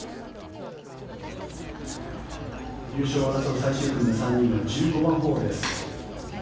優勝を争う最終組の３人は１５番ホールです。